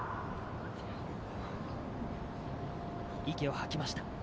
息を吐きました。